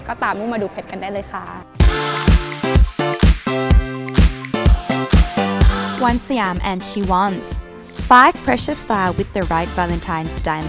ก็ตามลูกมาดูเพชรกันได้เลยค่ะ